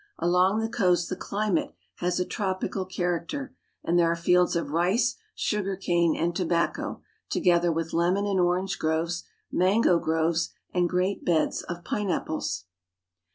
Along the coast the climate has a tropical character, and there are fields of rice, sugar cane, and tobacco, together with lemon and orange groves, mango trees, and great beds of pine^J apples.